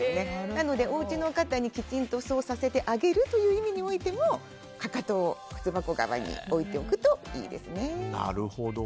なので、おうちの方にきちんとそうさせてあげるという意味においてもかかとを靴箱側に置いておくといいですね。